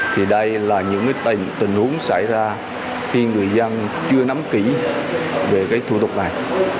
thì đây là những tình huống xảy ra khi người dân chưa nắm kỹ về thủ tục này